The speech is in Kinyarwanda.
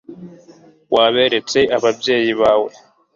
waberetse ababyeyi bawe